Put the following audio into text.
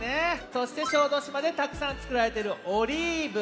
そして小豆島でたくさんつくられているオリーブ。